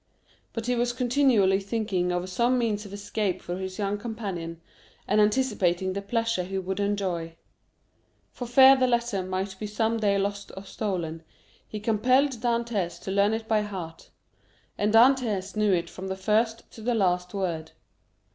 But he was continually thinking over some means of escape for his young companion, and anticipating the pleasure he would enjoy. For fear the letter might be some day lost or stolen, he compelled Dantès to learn it by heart; and Dantès knew it from the first to the last word.